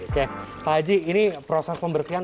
oke pak haji ini proses pembersihan